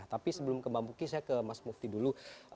tapi sebelum kembang buki saya ke mas mufti dulu